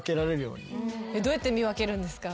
どうやって見分けるんですか？